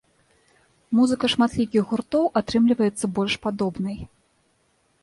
Музыка шматлікіх гуртоў атрымліваецца больш падобнай.